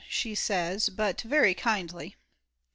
she says, but very kindly.